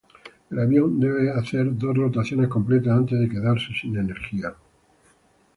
El avión debe hacer dos rotaciones completas antes de quedarse sin energía.